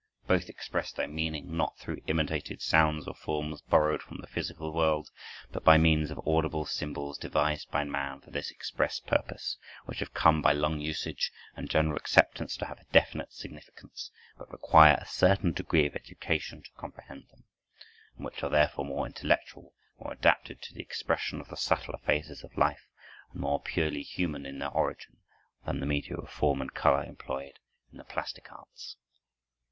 Both express their meaning, not through imitated sounds or forms borrowed from the physical world, but by means of audible symbols devised by man for this express purpose, which have come by long usage and general acceptance to have a definite significance, but require a certain degree of education to comprehend them, and which are therefore more intellectual, more adapted to the expression of the subtler phases of life, and more purely human in their origin, than the media of form and color employed in the plastic arts.